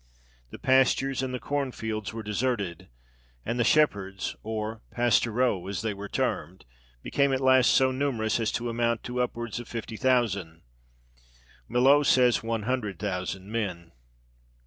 The pastures and the corn fields were deserted, and the shepherds, or pastoureaux, as they were termed, became at last so numerous as to amount to upwards of fifty thousand, Millot says one hundred thousand men.